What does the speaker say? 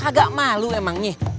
kagak malu emangnya